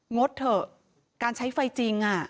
งดเถอะการใช้ไฟจริง